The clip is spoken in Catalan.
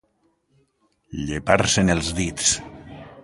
Llepar-se'n els dits.